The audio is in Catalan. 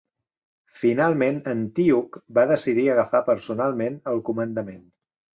Finalment Antíoc va decidir agafar personalment el comandament.